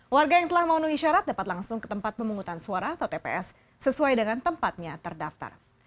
warga yang telah memenuhi syarat dapat langsung ke tempat pemungutan suara atau tps sesuai dengan tempatnya terdaftar